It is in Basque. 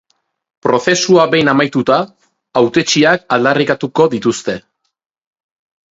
Prozesua behin amaituta, hautetsiak aldarrikatuko dituzte.